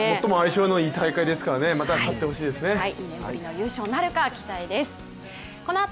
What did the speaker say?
最も相性のいい大会ですからまた勝って欲しいですね。